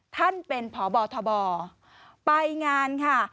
ท่านเป็นพบทบไปงานค่ะ